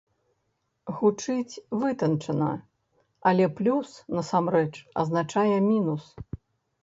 Гучыць вытанчана, але плюс насамрэч азначае мінус.